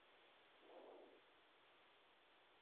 Había estado fuera por una lesión desde enero.